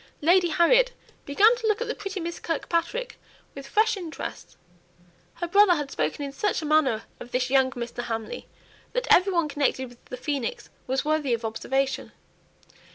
Lady Harriet began to look at the pretty Miss Kirkpatrick with fresh interest; her brother had spoken in such a manner of this young Mr. Hamley that every one connected with the phoenix was worthy of observation.